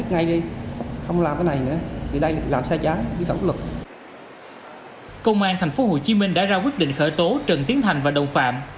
công an tp hcm đã ra quyết định khởi tố trần tiến thành và đồng phạm